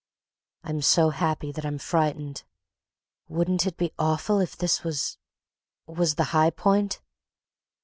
"I'm so happy that I'm frightened. Wouldn't it be awful if this was—was the high point?..."